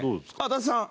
伊達さん？